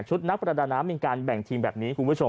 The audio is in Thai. ชุดนักประดาน้ำเป็นการแบ่งทีมแบบนี้ครับคุณผู้ชม